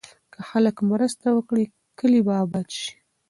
که خلک مرسته وکړي، کلي به اباد شي.